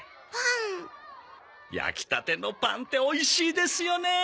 焼きたてのパンっておいしいですよね。